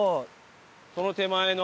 その手前の。